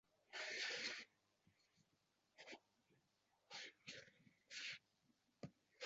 Jida - Qashqadaryo viloyatining Yakkabog‘ tumanidagi qishloq. Naymansaroy urug‘ining shohchalaridan biri jida deb atalgan.